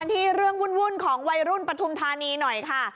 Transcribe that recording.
ที่เรื่องวุ่นของวัยรุ่นปฐุมธานีหน่อยค่ะ